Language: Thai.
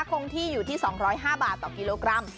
คงที่อยู่ที่๒๐๕บาทต่อกิโลกรัม